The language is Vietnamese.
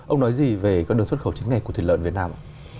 ông nói gì về đường xuất khẩu chính nghệ của thịt lợn việt nam